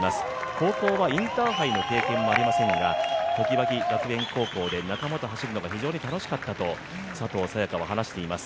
高校はインターハイの経験はありませんが高校では仲間と走るのが非常に楽しかったと佐藤早也伽が話しています。